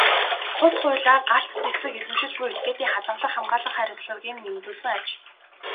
Тус хуулиар галт зэвсэг эзэмшиж буй этгээдийн хадгалах, хамгаалах хариуцлагыг нэмэгдүүлсэн аж.